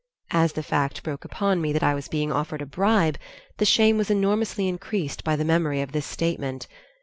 As the fact broke upon me that I was being offered a bribe, the shame was enormously increased by the memory of this statement.